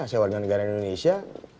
saya warga negara indonesia